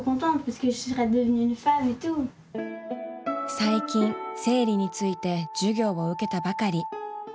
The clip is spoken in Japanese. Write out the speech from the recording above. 最近生理について授業を受けたばかり。